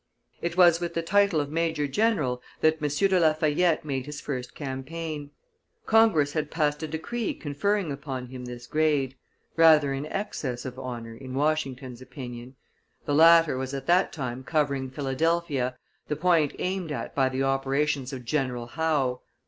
It was with the title of major general that M. de La Fayette made his first campaign; Congress had passed a decree conferring upon him this grade, rather an excess of honor in Washington's opinion; the latter was at that time covering Philadelphia, the point aimed at by the operations of General Howe.